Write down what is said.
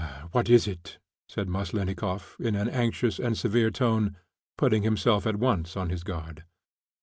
"What is it?" said Maslennikoff, in an anxious and severe tone, putting himself at once on his guard.